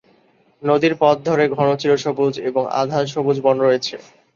নদীর পথ ধরে ঘন চিরসবুজ এবং আধা-সবুজ বন রয়েছে।